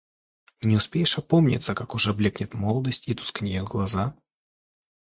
Не успеешь опомниться, как уже блекнет молодость и тускнеют глаза.